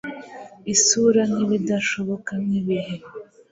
Isura nkibidashoboka nkibihe